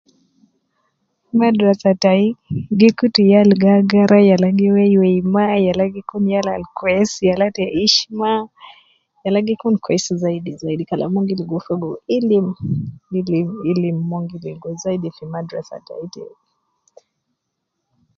Madrasa tayi gi kutu yal gi agara yala gi weiwei mma, yala gi kun yal al kwesi, yala te hishma yala gi kun kwesi zaidi zaidi kalam mon gi ligo fogo ilim ilim ilim mon gi ligo zaidi gi madrasa tayi te.